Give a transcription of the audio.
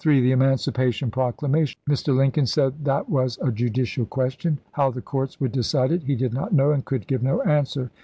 The Emancipation Proclamation. — "Mr. Lincoln said that was a judicial question. How the courts would decide it he did not know, and could give no answer.